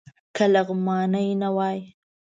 که لغمانی نه وای.